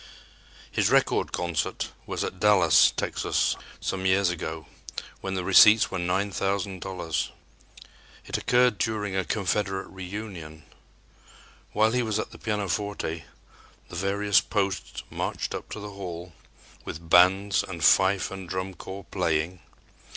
His record concert was at Dallas, Texas, some years ago, when the receipts were $9,000. It occurred during a Confederate reunion. While he was at the pianoforte, the various posts marched up to the hall with bands and fife and drum corps playing.